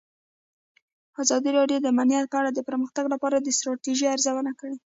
ازادي راډیو د امنیت په اړه د پرمختګ لپاره د ستراتیژۍ ارزونه کړې.